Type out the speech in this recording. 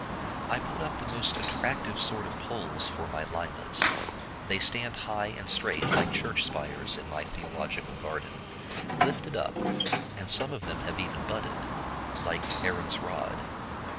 I put up the most attractive sort of poles for my Limas. They stand high and straight, like church spires, in my theological garden,—lifted up; and some of them have even budded, like Aaron's rod.